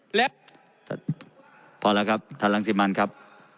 และพอแล้วครับท่านรังสิมันครับ